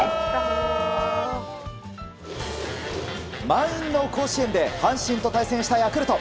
満員の甲子園で阪神と対戦したヤクルト。